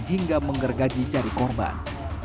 hingga menggergaji jari korban